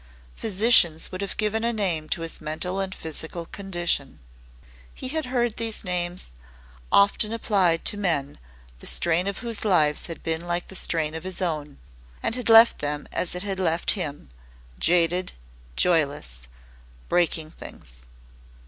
Physicians would have given a name to his mental and physical condition. He had heard these names often applied to men the strain of whose lives had been like the strain of his own, and had left them as it had left him jaded, joyless, breaking things.